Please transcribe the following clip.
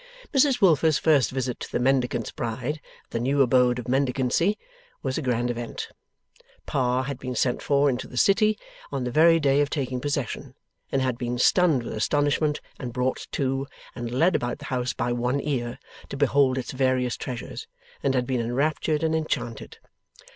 Mrs Wilfer's first visit to the Mendicant's bride at the new abode of Mendicancy, was a grand event. Pa had been sent for into the City, on the very day of taking possession, and had been stunned with astonishment, and brought to, and led about the house by one ear, to behold its various treasures, and had been enraptured and enchanted.